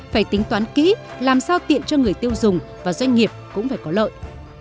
phải tính toán kỹ làm sao tiện cho người tiêu dùng và doanh nghiệp cũng phải có lợi